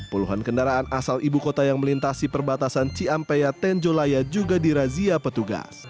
puluhan kendaraan asal ibu kota yang melintasi perbatasan ciampea tenjolaya juga dirazia petugas